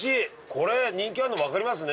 これ人気あるのわかりますね。